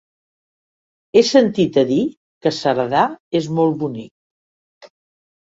He sentit a dir que Cerdà és molt bonic.